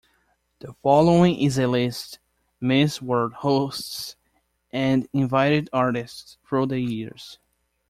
The following is a list Miss World hosts and invited artists through the years.